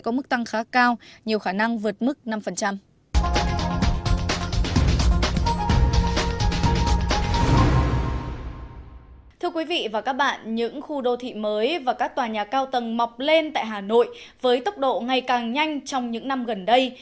các tòa nhà cao tầng mọc lên tại hà nội với tốc độ ngày càng nhanh trong những năm gần đây